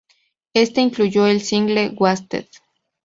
Este incluyó el single "Wasted".